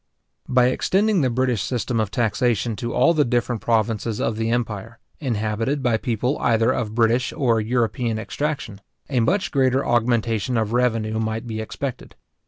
By extending the British system of taxation to all the different provinces of the empire, inhabited by people either of British or European extraction, a much greater augmentation of revenue might be expected.